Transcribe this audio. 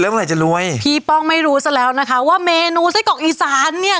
เมื่อไหร่จะรวยพี่ป้องไม่รู้ซะแล้วนะคะว่าเมนูไส้กรอกอีสานเนี้ย